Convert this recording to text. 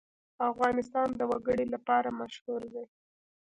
افغانستان د وګړي لپاره مشهور دی.